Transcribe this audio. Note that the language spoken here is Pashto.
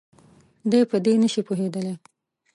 دی په دې نه شي پوهېدلی.